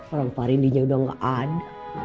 orang pak rendinya udah gak ada